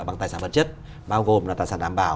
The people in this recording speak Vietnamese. bằng tài sản vật chất bao gồm là tài sản đảm bảo